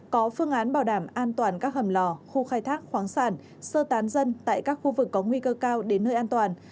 có phương án bảo đảm an toàn các hầm lò khu khai thác khoáng sản sơ tán dân tại các khu vực có nguy cơ cao đến nơi an toàn